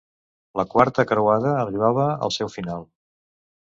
La Quarta croada arribava al seu final.